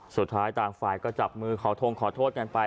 สุดท้ายต่างฝ่ายก็จับมือขอทงขอโทษกันไป